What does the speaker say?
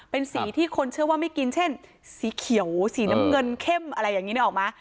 เป็นสีที่คนเชื่อว่าไม่กินเช่นสีเขียวสีน้ำเงินเข้มอะไรอย่างนี้นึกออกไหม